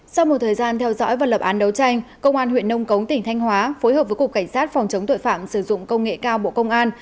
sau một thời gian theo dõi và lập án đấu tranh công an huyện nông cống tỉnh thanh hóa phối hợp với cục cảnh sát phòng chống tội phạm sử dụng công nghệ cao bộ công an